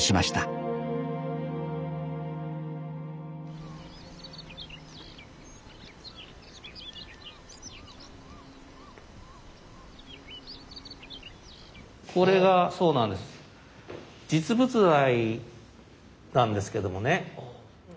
実物大なんですけどもね。